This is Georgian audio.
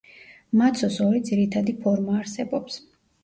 მაცოს ორი ძირითადი ფორმა არსებობს.